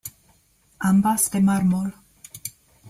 Ambas de mármol.